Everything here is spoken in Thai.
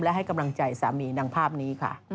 และให้กำลังใจสามีนางภาพนี้ค่ะ